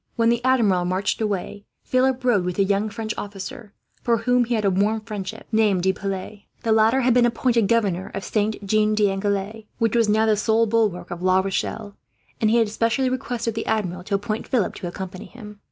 When the Admiral marched away, Philip rode with a young French officer, for whom he had a warm friendship, named De Piles. The latter had been appointed governor of Saint Jean d'Angely, which was now the sole bulwark of La Rochelle; and he had specially requested the Admiral to appoint Philip to accompany him.